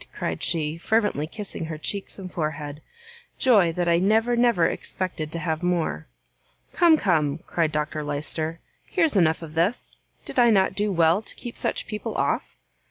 cried she, fervently kissing her cheeks and forehead, "joy that I never, never expected to have more!" "Come, come," cried Dr Lyster, "here's enough of this; did I not do well to keep such people off?"